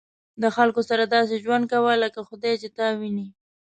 د خلکو سره داسې ژوند کوه لکه خدای چې تا ویني.